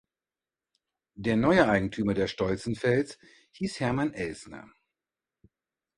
Der neue Eigentümer der "Stolzenfels" hieß Hermann Elsner.